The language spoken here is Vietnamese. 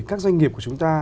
các doanh nghiệp của chúng ta